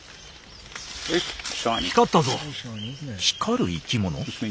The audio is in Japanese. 光る生き物？